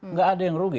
nggak ada yang rugi